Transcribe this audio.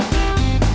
ya itu dia